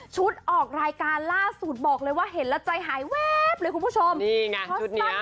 ออกรายการล่าสุดบอกเลยว่าเห็นแล้วใจหายแวบเลยคุณผู้ชมนี่ไง